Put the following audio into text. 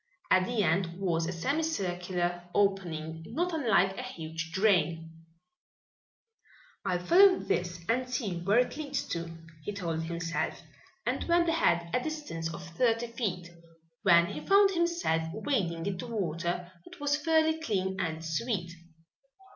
At the end was a semi circular opening, not unlike a huge drain. "I'll follow this and see where it leads to," he told himself, and went ahead a distance of thirty feet, when he found himself wading into water that was fairly clean and sweet.